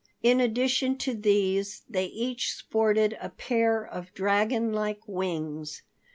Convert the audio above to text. In addition to these, they each sported a pair of dragon like wings.